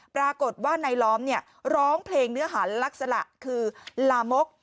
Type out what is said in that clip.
ปรากฏว่านายล้อมร้องเพลงเนื้อหันลักษณะคือลามก